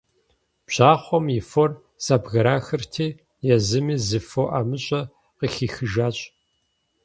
Бжьахъуэм и фор зэбграхырти, езыми зы фо ӀэмыщӀэ къыхихыжащ.